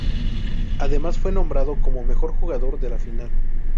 Además fue nombrado como mejor jugador de la final.